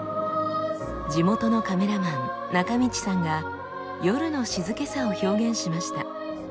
地元のカメラマン中道さんが夜の静けさを表現しました。